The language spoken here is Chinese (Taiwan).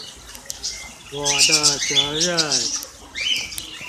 我的責任